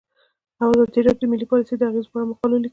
ازادي راډیو د مالي پالیسي د اغیزو په اړه مقالو لیکلي.